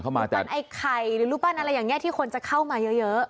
รูปปั้นไอ้ใครหรือรูปปั้นอะไรอย่างเงี้ยที่คนจะเข้ามาเยอะ